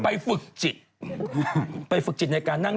ฝึกจิตไปฝึกจิตในการนั่ง